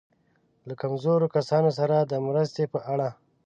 له کمزورو کسانو سره د مرستې په اړه.